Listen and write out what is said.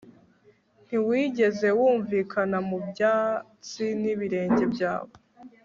Ntiwigeze wumvikana mu byatsi nibirenge byawe